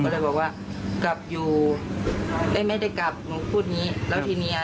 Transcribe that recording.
ไม่ได้บอกอะไรถือความหมายอะไรเนอะ